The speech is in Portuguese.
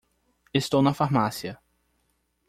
Estou na farmácia.